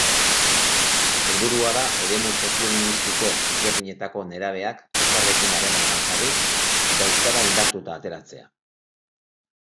Helburua da eremu soziolinguistiko ezberdinetako nerabeak elkarrekin harremanetan jarri eta euskara indartuta ateratzea.